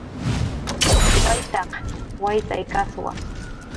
Waytaq waytaykaswa